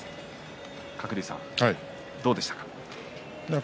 鶴竜さん、どうでしたか。